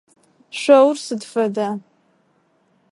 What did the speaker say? Шъоур сыд фэда?